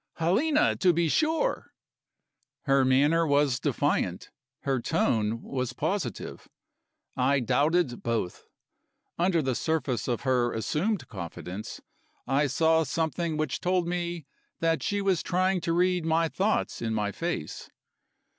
"Helena, to be sure!" Her manner was defiant, her tone was positive; I doubted both. Under the surface of her assumed confidence, I saw something which told me that she was trying to read my thoughts in my face.